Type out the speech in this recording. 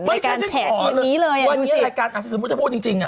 ในการแฉนคุณนี้เลยวันนี้รายการนักศึกษาพูดจริง